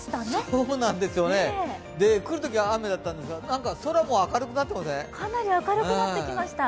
そうなんですよね、来るときは雨だったんですがかなり明るくなってきました。